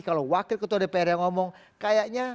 kalau wakil ketua dpr yang ngomong kayaknya